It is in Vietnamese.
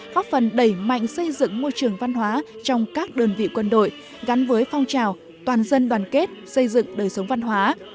góp phần đẩy mạnh xây dựng môi trường văn hóa trong các đơn vị quân đội gắn với phong trào toàn dân đoàn kết xây dựng đời sống văn hóa